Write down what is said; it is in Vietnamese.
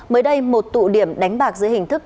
mới đây một tụ điểm đánh bạc dưới hình thức